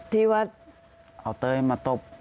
ที่ว่าเอาเต้ยมาตบ